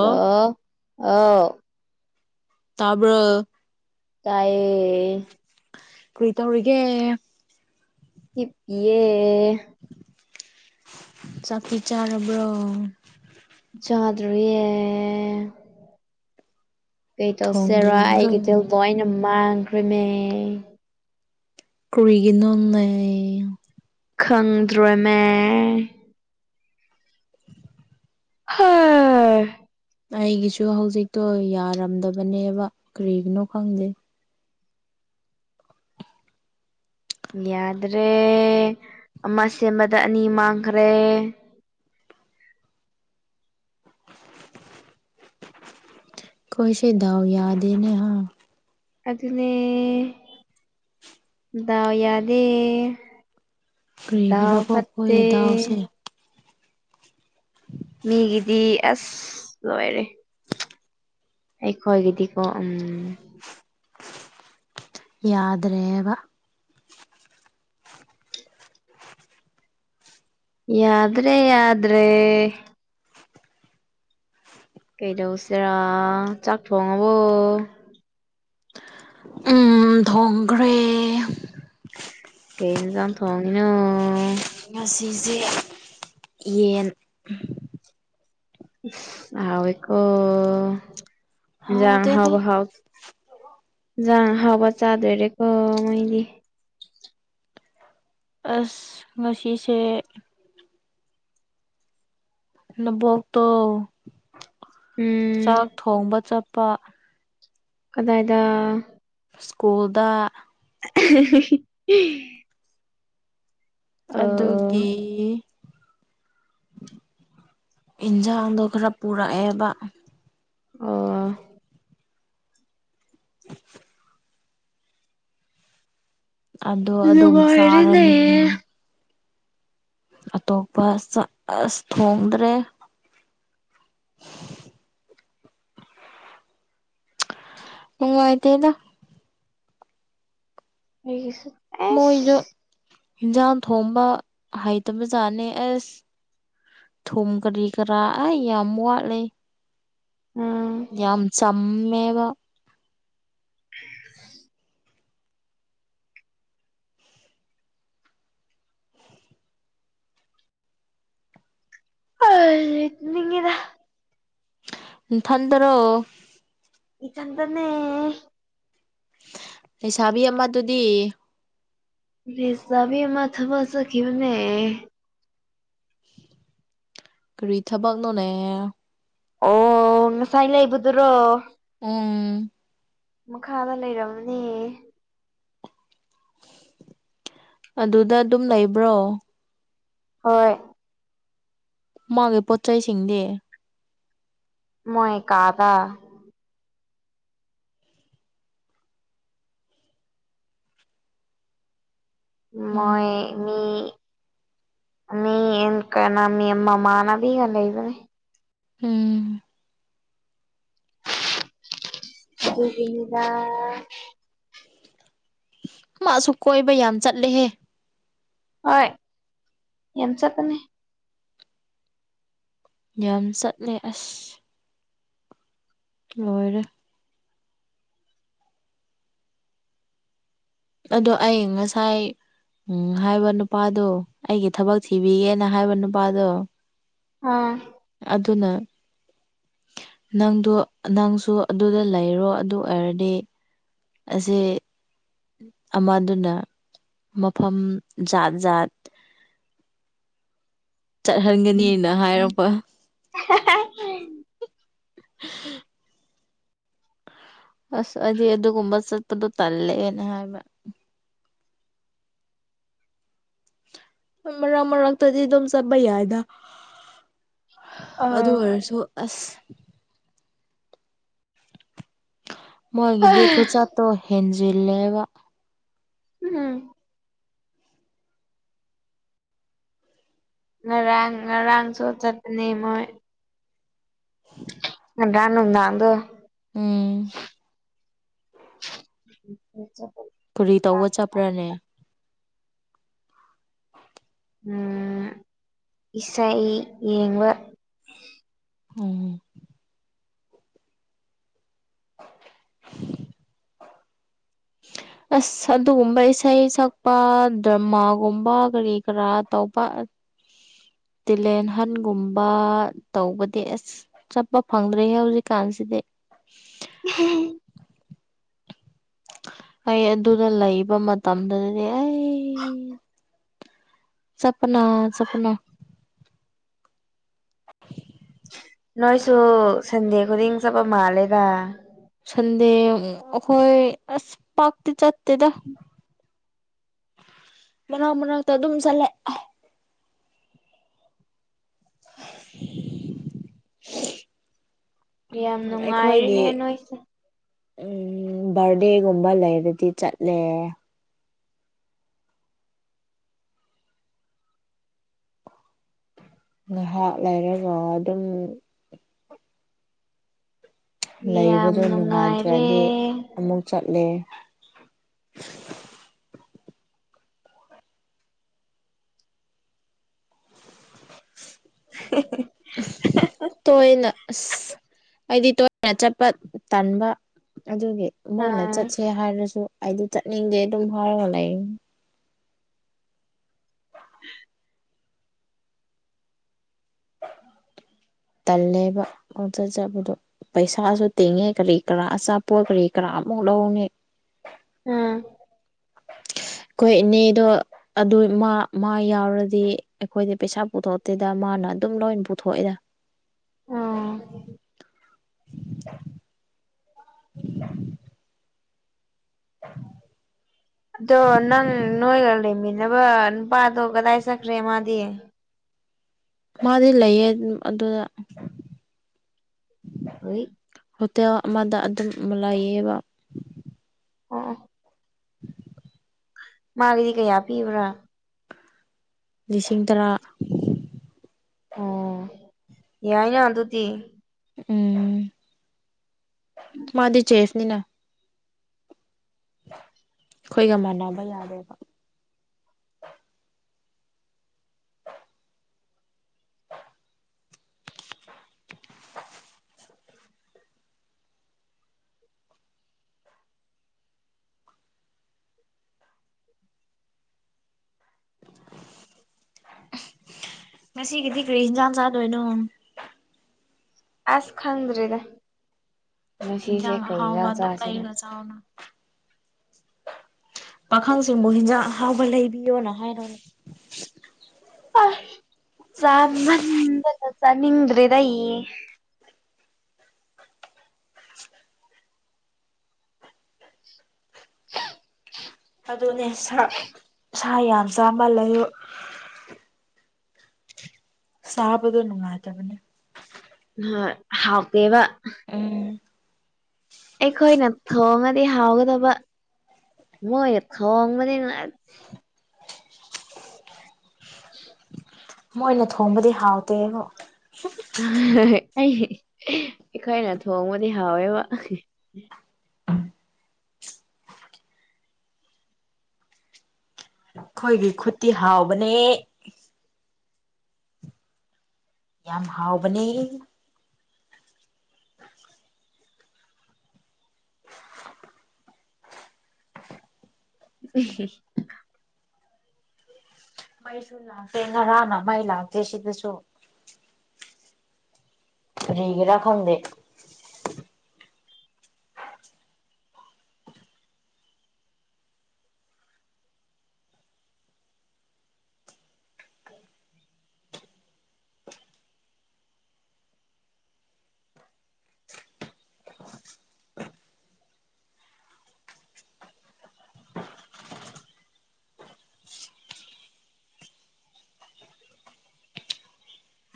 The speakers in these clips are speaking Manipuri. ꯍꯂꯣ ꯑꯥꯎ ꯇꯥꯕ꯭ꯔꯣ ꯇꯥꯏꯌꯦ ꯄꯔꯤꯇꯧꯔꯤꯒꯦ ꯍꯤꯞꯄꯤꯌꯦ ꯆꯥꯛꯇꯤ ꯆꯥꯔꯕ꯭ꯔꯣ ꯆꯥꯗ꯭ꯔꯤꯌꯦ ꯀꯩ ꯇꯧꯁꯤꯔꯣ ꯊꯣꯡꯗ꯭ꯔꯤꯕ꯭ꯔꯣ ꯑꯩꯒꯤ ꯇꯜꯗꯣ ꯑꯩꯅ ꯃꯥꯡꯈ꯭ꯔꯤꯃꯦ ꯀꯔꯤꯒꯤꯅꯣꯅꯦ ꯈꯪꯗ꯭ꯔꯦꯃꯦ ꯍꯥ ꯑꯩꯒꯤꯁꯨ ꯍꯧꯖꯤꯛꯇꯣ ꯌꯥꯔꯝꯗꯕꯅꯦꯕ ꯀꯔꯤꯒꯤꯅꯣ ꯈꯪꯗꯦ ꯌꯥꯗ꯭ꯔꯦ ꯑꯃ ꯁꯦꯝꯕꯗ ꯑꯅꯤ ꯃꯥꯡꯈ꯭ꯔꯦ ꯈꯣꯏ ꯁꯤ ꯗꯥꯎ ꯌꯥꯗꯦꯅꯦ ꯍꯥ ꯑꯗꯨꯅꯦ ꯗꯥꯎ ꯌꯥꯗꯦ ꯗꯥꯎ ꯀꯔꯤꯒꯤꯔꯀꯣ ꯐꯠꯇꯦ ꯑꯩꯈꯣꯏ ꯗꯥꯎꯁꯦ ꯃꯤꯒꯤꯗꯤ ꯂꯣꯏꯔꯦ ꯑꯩꯈꯣꯏꯒꯤꯗꯤꯀꯣ ꯎꯝ ꯌꯥꯗ꯭ꯔꯦꯕ ꯌꯥꯗ꯭ꯔꯦ ꯌꯥꯗ꯭ꯔꯦ ꯀꯩꯗꯧꯁꯦꯔꯥ ꯆꯥꯛ ꯊꯣꯡꯉꯕꯣ ꯊꯣꯡꯒ꯭ꯔꯦ ꯀꯅ ꯆ ꯊꯣꯡꯉꯅꯣ ꯉꯁꯤꯁꯦ ꯌꯦꯟ ꯍꯥꯎ ꯑꯩ ꯌꯥ ꯍꯥꯎꯇꯦꯗ ꯍꯕ ꯍꯥꯎ ꯌꯥ ꯍꯥꯕ ꯆꯥꯗ ꯑꯣꯏꯔꯦꯀ ꯃꯣꯏꯗꯤ ꯑꯁ ꯉꯁꯤꯁꯦ ꯅꯕꯣꯛꯇꯣ ꯎꯝ ꯆꯥꯛ ꯊꯣꯡꯕ ꯆꯠꯄ ꯀꯗꯥꯏꯗ ꯁ꯭ꯀꯨꯜꯗ [unintelligible] [unintelligible] ꯑꯣ ꯑꯗꯨꯒꯤ ꯏꯟꯖꯥꯡꯗꯣ ꯈꯔ ꯄꯨꯔꯛꯑꯦꯕ ꯑ ꯑꯗꯣ ꯑꯗꯨꯝ ꯅꯨꯡꯉꯥꯏꯔꯦꯅꯦ ꯆꯥꯔꯅꯤ ꯑꯇꯣꯞꯄ ꯑꯁ ꯊꯣꯡꯗ꯭ꯔꯦ ꯎꯉꯥꯏꯗꯤꯅ ꯎ ꯑ ꯍꯟꯖꯥꯡ ꯊꯣꯡꯕ ꯍꯩꯇꯕꯖꯥꯠꯅꯦ ꯑꯦꯁ ꯊꯨꯝ ꯀꯔꯤ ꯀꯔꯥ ꯑꯩ ꯌꯥꯝ ꯋꯥꯠꯂꯦ ꯎꯝ ꯎꯝꯕ [unintelligible] ꯑ ꯅꯤꯡꯉꯗ ꯏ ꯊꯗꯔꯣ ꯏꯆꯟꯇꯟꯅꯦ ꯂꯩꯁꯥꯕꯤ ꯑꯃ ꯑꯗꯨꯗꯤ ꯁꯕꯤ ꯑꯃ ꯊꯕ ꯆꯈꯈꯤꯕꯅꯦ ꯀꯔꯤ ꯊꯕꯛꯅꯣꯅꯦ ꯑꯣ ꯉꯁꯥꯏ ꯂꯩꯕꯗꯨꯔꯣ ꯎꯝ ꯃꯈꯥꯗ ꯂꯩꯔꯝꯅꯦ ꯑꯗꯨꯗ ꯑꯗꯨꯝ ꯂꯩꯕ꯭ꯔꯣ ꯍꯣꯏ ꯃꯥꯒꯤ ꯄꯣꯠꯁꯤꯡꯗꯤ ꯃꯣꯏ ꯀꯥꯗ ꯎꯝ ꯃꯣꯏ ꯃꯤ ꯃꯤ ꯀꯅꯥ ꯃꯤꯃꯃꯥꯅꯕꯤꯒ ꯂꯩꯕꯅꯦ ꯍꯝ ꯑꯗꯨꯒꯤꯅꯤꯗ ꯃꯥꯁꯨ ꯀꯣꯏꯕ ꯌꯥꯝ ꯆꯠꯂꯦꯍꯦ ꯍꯣꯏ ꯆꯠꯄꯅꯦ ꯌꯁꯠꯂ ꯑꯁ ꯑꯣꯏꯔ ꯑꯗꯣ ꯑꯩ ꯉꯁꯥꯏ ꯎꯝ ꯍꯥꯏꯕ ꯅꯨꯄꯥꯗꯣ ꯑꯩꯒꯤ ꯊꯕꯛ ꯊꯤꯕꯤꯒꯦꯅ ꯍꯥꯏꯕ ꯅꯨꯄꯥꯗꯣ ꯑꯥ ꯑꯗꯨꯅ ꯅꯪꯗꯣ ꯅꯪꯁꯨ ꯑꯗꯨꯗ ꯂꯩꯔꯣ ꯑꯗꯨ ꯑꯣꯏꯔꯗꯤ ꯁ ꯑꯃꯗꯨꯅ ꯃꯐꯝ ꯖꯥꯠ ꯖꯥꯠ [unintelligible] ꯆꯠꯍꯟꯒꯅꯤꯅ ꯍꯥꯏꯔꯛꯄ ꯍ [unintelligible] ꯑꯁ ꯍꯥꯏꯗꯤ ꯑꯗꯨꯒꯨꯝꯕ ꯆꯠꯄꯗꯣ ꯇꯜꯂꯑꯦꯅ ꯍꯥꯏꯕ ꯃꯔꯛ ꯃꯔꯛ ꯇꯗꯤ ꯑꯗꯨꯝ ꯆꯠꯄ ꯍꯥꯏꯗ ꯑꯗꯨ ꯑꯥ ꯑꯣꯏꯔꯁꯨ ꯑꯁ ꯃꯣꯏꯒꯤꯗꯤ ꯈꯨ ꯆꯠꯇꯣ ꯍꯦꯟꯖꯤꯜꯂꯦꯕ ꯎꯝ ꯉꯔꯥꯡ ꯉꯔꯥꯡ ꯁꯣ ꯆꯇ ꯅ ꯃꯣꯏ [inaudible] ꯉꯥꯔꯥꯛ ꯅꯨꯡꯗꯥꯛꯗꯣ ꯎꯝ ꯆ ꯀꯔꯤ ꯇꯧꯕ ꯆꯠꯄ꯭ꯔꯥꯅꯦ ꯎꯝ ꯏꯁꯩ ꯌꯦꯡꯕ ꯎꯝꯝ [unintelligible] ꯑꯁ ꯑꯗꯨꯒꯨꯝꯕ ꯏꯁꯩ ꯁꯛꯄ ꯗ꯭ꯔꯃꯥꯒꯨꯝꯕ ꯀꯔꯤ ꯀꯔꯥ ꯇꯧꯕ [unintelligible] ꯇꯤꯂꯦꯟꯍꯟꯒꯨꯝꯕ ꯇꯧꯕꯗꯤ ꯑꯁ ꯆꯠꯄ ꯐꯪꯗ꯭ꯔꯦ ꯍꯧꯖꯤꯛꯀꯥꯟꯁꯤꯗꯤ [inaudible] ꯎꯝ ꯑꯩ ꯑꯗꯨꯗ ꯂꯩꯕ ꯃꯇꯝꯗꯗꯤ ꯆꯠꯄꯅ ꯆꯠꯞꯅ ꯅꯣꯏꯁꯨ ꯁꯟꯗꯦ ꯈꯨꯗꯤꯡ ꯆꯠꯄ ꯃꯥꯜꯂꯦꯗ ꯁꯟꯗꯦꯑꯈꯣꯏ ꯑꯁ ꯄꯥꯥꯛꯇ ꯆꯦꯗ ꯃꯅꯥ ꯃꯅꯥꯛꯇ ꯑꯗꯨꯝ ꯆꯂꯦ ꯌꯥꯝ [inaudible] ꯑꯩꯈꯣꯏꯒꯤ ꯅꯨꯡꯉꯥꯏꯔꯦꯅꯦ ꯅꯣꯏꯁꯦ ꯎꯝ ꯕꯔꯗꯦꯒꯨꯝꯕ ꯂꯩꯔꯗꯤ ꯆꯠꯂꯦ ꯉꯥꯏꯍꯥꯛ ꯂꯩꯔꯒ ꯑꯗꯨꯝ ꯌꯥꯝ ꯂꯩꯕꯗꯣ ꯅꯨꯡꯉꯥꯏꯔꯦ ꯅꯨꯡꯉꯥꯏꯇ꯭ꯔꯗꯤ ꯑꯃꯨꯛ ꯆꯠꯂꯦ ꯇꯣꯏꯅ ꯑꯁ ꯍꯥꯏꯗꯤ ꯇ ꯑꯩꯅ ꯆꯠꯄ ꯇꯟꯕ ꯑꯗꯨꯒꯤ ꯃꯣꯏꯅ ꯑꯥ ꯆꯠꯁꯦ ꯍꯥꯏꯔꯁꯨ ꯑꯩꯗꯤ ꯆꯠꯅꯤꯡꯗꯦ ꯑꯗꯨꯝ ꯍꯥꯏꯔꯒ ꯂꯩ [inaudible] ꯇꯜꯂꯦꯕ ꯑꯃ ꯆꯠ ꯆꯕꯗꯣ ꯄꯩꯁꯥꯁꯨ ꯇꯤꯡꯉꯦ ꯀꯔꯤ ꯀꯔꯥ ꯑꯆꯥꯄꯣꯠ ꯀꯔꯤ ꯀꯔꯥ ꯑꯃꯨꯛ ꯅꯦ ꯎꯝ [inaudible] ꯑꯩꯈꯣꯏ ꯏꯅꯦꯗꯣ ꯑꯗꯨ ꯃꯥ ꯃꯥ ꯌꯥꯎꯔꯗꯤ ꯑꯩꯈꯣꯏꯗꯤ ꯄꯩꯁꯥ ꯄꯨꯊꯣꯛꯇꯦꯗ ꯃꯥ ꯅ ꯑꯗꯨꯝ ꯂꯣꯏ ꯄꯨꯊꯣꯛꯑꯦꯗ ꯑꯥ [inaudible] ꯑꯗꯣ ꯅꯪ ꯅꯣꯏꯒ ꯂꯩꯃꯤꯕ ꯅꯨꯄꯥꯗꯣ ꯀꯗꯥꯏ ꯁꯛꯈ꯭ꯔꯦ ꯃꯥꯗꯤ ꯃꯥꯗꯤ ꯂꯩꯌꯦ ꯑꯗꯨꯗ ꯍꯣꯏ ꯍꯣꯇꯦꯜ ꯑꯃꯗ ꯑꯗꯨꯝ ꯂꯩꯥꯏꯌꯦꯕ ꯑꯣ ꯃꯥꯒꯤꯗꯤ ꯀꯌꯥ ꯄꯤꯕ꯭ꯔꯥ ꯂꯤꯁꯤꯡ ꯇꯔꯥ ꯑꯣ ꯌꯥꯏꯅ ꯑꯗꯨꯗꯤ ꯎꯝ ꯃꯥꯗꯤ ꯆꯁꯅꯤꯅ ꯑꯩꯈꯣꯏꯒ ꯃꯥꯟꯅꯕ ꯌꯥꯔꯦꯕ [unintelligible] ꯉꯁꯤꯒꯤꯗꯤ ꯀꯔꯤ ꯍꯟꯁꯥꯡ ꯆꯥꯗꯣꯏꯅꯣ ꯑꯁ ꯈꯪꯗ꯭ꯔꯦꯗ ꯉꯁꯤꯁꯦ ꯀꯩ ꯌꯥ ꯆꯁꯦ ꯂꯥꯎꯅ ꯄꯥꯈꯪꯁꯤꯡꯕꯨꯨ ꯍꯤꯟꯖꯥꯡ ꯍꯥꯎꯕ ꯂꯩꯕꯤꯌꯣꯅ ꯍꯥꯏꯔꯅꯦ ꯑ ꯆꯃꯗ ꯇ ꯆ ꯅꯤꯡꯗ꯭ꯔꯤꯗꯏ ꯍ ꯑꯗꯨꯅꯦ ꯁꯥ ꯁꯥ ꯌꯥꯝ ꯆꯥꯃꯜ ꯂꯩꯨ ꯁꯥꯕꯗꯣ ꯅꯨꯡꯉꯥꯏ ꯇ ꯃꯅꯤ ꯍꯥꯎꯇꯦꯕ ꯎꯝ ꯑꯩꯈꯣꯏꯅ ꯊꯣꯡꯉꯗꯤ ꯍꯥꯎꯒꯗꯕ ꯃꯣꯏ ꯈꯣꯡ ꯃꯅꯤꯅꯨꯡ [inaudible] ꯃꯣꯏꯅ ꯊꯣꯡꯕꯗꯤ ꯍꯥꯎꯇꯦꯕ ꯑꯩ ꯑꯩꯈꯣꯏꯅ ꯊꯣꯡꯕꯗꯤ ꯍꯥꯎꯋꯦꯕ ꯑꯩꯈꯣꯏꯒꯤ ꯈꯨꯠꯇꯤ ꯍꯥꯎꯕꯅꯦ ꯌꯥꯝ ꯍꯥꯎꯕꯅꯦ [unintelligible] ꯎ ꯃꯩꯁꯨ ꯂꯥꯛꯇꯦ ꯉꯔꯥꯡꯅ ꯃꯩ ꯂꯥꯛꯇꯦ ꯁꯤꯗꯁꯨ ꯐꯔꯤꯒꯔ ꯈꯪꯗ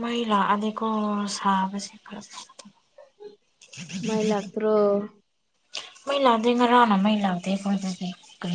ꯃꯩ ꯂꯥꯛꯑꯗꯤꯀꯣ ꯁꯥꯕꯁꯦ ꯐꯖ ꯃꯥꯏ ꯂꯥꯛꯇ꯭ꯔꯣ ꯃꯩ ꯂꯥꯛꯗ ꯉꯔꯥꯅ ꯃꯩ ꯂꯥꯛꯗ ꯐ ꯀ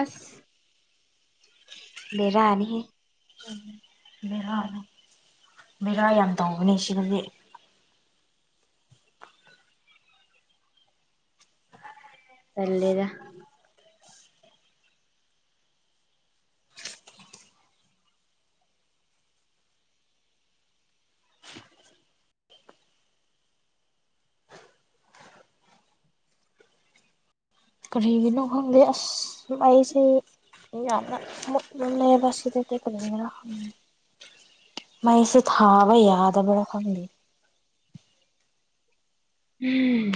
ꯑꯁ ꯂꯩꯔꯅꯤꯍ ꯕꯦꯔꯥ ꯕꯦꯔꯥ ꯌꯥꯝ ꯇꯧꯕꯅꯤ ꯁꯤꯗꯗꯤ ꯆꯔꯂꯦꯒ ꯀꯔꯤꯒꯤꯅꯣ ꯈꯪꯗꯦ ꯑꯁ ꯑꯩꯁꯦ ꯏ ꯌꯥꯝ ꯃꯁꯗꯤ ꯀꯅꯤ ꯔ ꯃꯁꯦ ꯊꯥꯕ ꯌꯥꯗꯕꯔ ꯈꯣꯡꯒꯤ ꯎꯝ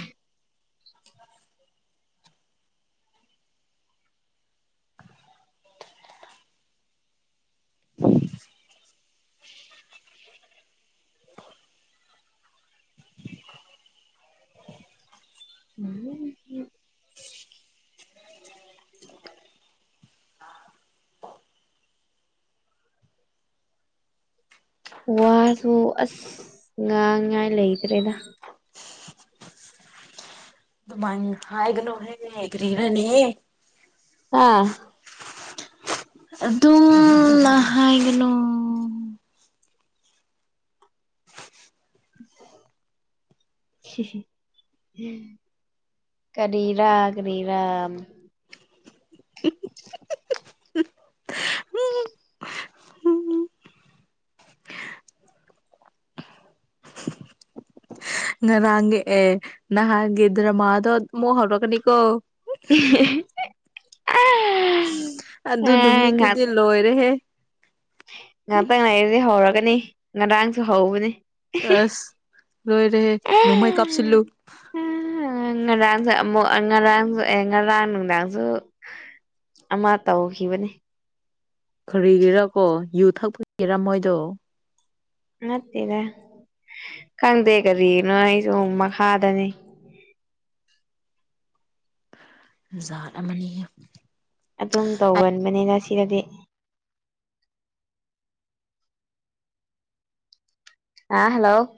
ꯑ ꯋꯥꯁꯨ ꯑꯁ ꯉꯥꯡꯉꯥꯏ ꯂꯩꯇ꯭ꯔꯦꯗ ꯑꯗꯨꯃ ꯍꯥꯏꯒꯅꯣꯦ ꯍꯦꯒꯔꯤꯔꯅꯤ ꯑꯥ ꯑꯗꯨꯝꯅ ꯍꯥꯏꯥꯏꯒꯅꯣ ꯁꯤꯝ ꯀꯔꯤꯔꯥ ꯀꯔꯤꯔꯥ [unintelligible] [unintelligible] ꯉꯔꯥꯡꯒꯤ ꯑꯦ ꯅꯍꯥꯟꯒꯤꯒꯗ꯭ꯔꯃꯗꯣ ꯃꯣ ꯍꯧꯧꯔꯛꯀꯅꯤꯀꯣ [unintelligible] ꯑꯗꯨ ꯑꯦ ꯅꯨꯃꯤꯠꯇꯨꯗꯤ ꯂꯣꯏꯔꯦꯍꯦ ꯉꯥꯛꯇꯪ ꯂꯥꯏꯔꯤꯗꯤ ꯍꯧꯔꯒꯅꯤ ꯉꯔꯥꯡꯁꯨ ꯍꯧꯕꯅꯦ ꯑꯁ ꯂꯣꯏ ꯔꯦꯍꯦ ꯅꯨꯃꯥꯏ ꯀꯥꯄꯁꯤꯨ ꯉꯔꯥꯡꯁꯨ ꯑꯃꯨꯛ ꯉꯔꯥꯡꯁꯨ ꯑꯦ ꯉꯔꯥꯡ ꯅꯨꯡꯗꯥꯡꯁꯨ ꯑꯃ ꯇꯧꯈꯤꯕꯅꯦ ꯀꯔꯤꯒꯤꯔꯥ ꯀꯣ ꯌꯨ ꯊꯛꯄꯒꯦꯔꯥ ꯃꯣꯏꯗꯣ ꯃꯠꯇꯗ ꯈꯪꯗꯦ ꯀꯔꯤꯒꯤꯅꯣ ꯑꯩꯁꯨꯨꯛ ꯃꯈꯥꯗꯅꯤ ꯖꯥ ꯑꯃꯅꯤꯅꯤ ꯀꯗꯤ ꯑ ꯍꯜꯂꯣ